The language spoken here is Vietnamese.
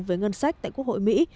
với ngân sách tại quốc hội mỹ